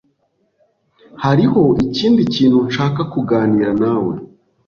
Hariho ikindi kintu nshaka kuganira nawe.